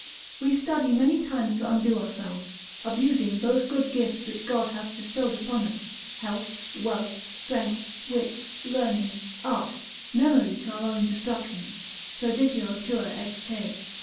We study many times to undo ourselves, abusing those good gifts which God hath bestowed upon us, health, wealth, strength, wit, learning, art, memory to our own destruction, Perditio tua ex te.